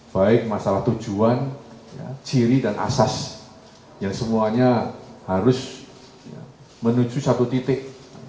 baik masalah tujuan ciri dan asas yang semuanya harus menuju satu titik